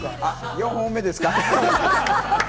４本目ですか？